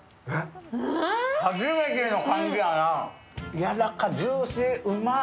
やらか、ジューシー、うまっ！